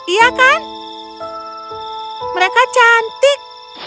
iya kan mereka cantik